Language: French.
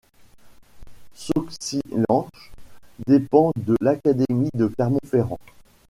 Sauxillanges dépend de l'académie de Clermont-Ferrand.